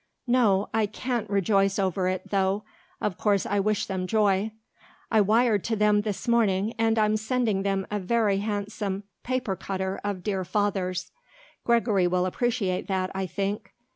No; I can't rejoice over it, though, of course I wish them joy; I wired to them this morning and I'm sending them a very handsome paper cutter of dear father's. Gregory will appreciate that, I think.